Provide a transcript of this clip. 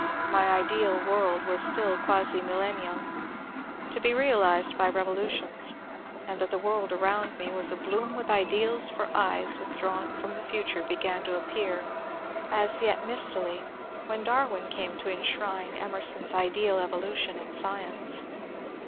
My ideal world was still quasi millennial, to be realized by revolutions, and that the world around me was abloom with ideals for eyes withdrawn from the future began to appear (as yet mistily) when Darwin came to enshrine Em erson's ideal evolution in science.